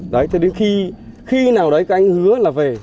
đấy cho đến khi nào đấy các anh hứa là về